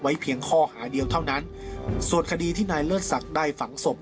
เพียงข้อหาเดียวเท่านั้นส่วนคดีที่นายเลิศศักดิ์ได้ฝังศพ